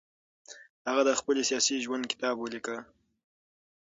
هغه د خپل سیاسي ژوند کتاب ولیکه.